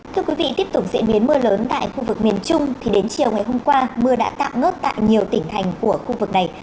thưa quý vị tiếp tục diễn biến mưa lớn tại khu vực miền trung thì đến chiều ngày hôm qua mưa đã tạm ngớt tại nhiều tỉnh thành của khu vực này